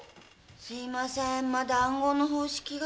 すいませんまだ暗号の方式が。